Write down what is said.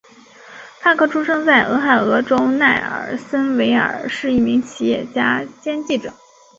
帕克出生在俄亥俄州奈尔森维尔是一名企业家兼记者。